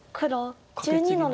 黒１２の六。